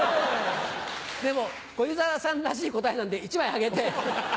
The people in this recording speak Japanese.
でも小遊三さんらしい答えなんで１枚あげて。